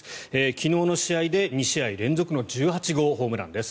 昨日の試合で２試合連続の１８号ホームランです。